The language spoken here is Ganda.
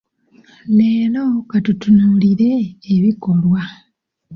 Leero ka tutunuulire ebikolwa.